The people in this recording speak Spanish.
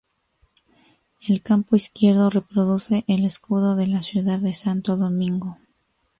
El campo izquierdo reproduce el escudo de la ciudad de Santo Domingo.